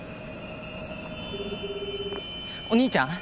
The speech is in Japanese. お兄ちゃん？